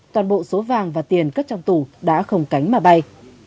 toàn bộ số vàng và tiền cất trong tủ đã không cánh mà bay